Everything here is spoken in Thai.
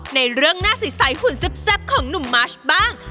ในเรื่องหน้าใสหุ่นแซ่บของหนุ่มมาชบ้าง